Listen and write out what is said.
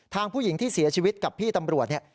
ผู้หญิงที่เสียชีวิตกับพี่ตำรวจเนี่ย